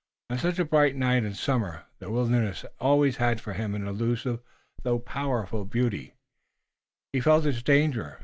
On such a bright night in summer the wilderness always had for him an elusive though powerful beauty, but he felt its danger.